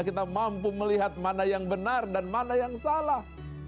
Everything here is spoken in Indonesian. kita mampu melihat mana yang benar dan mana yang salah